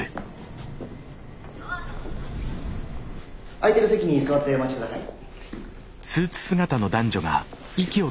空いてる席に座ってお待ち下さい。